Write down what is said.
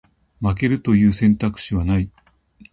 負けるという選択肢はない